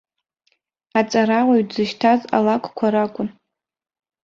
Аҵарауаҩ дзышьҭаз алакәқәа ракәын.